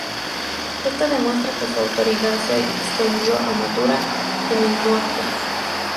Esto demuestra que su autoridad se extendió a Mathura, en el norte.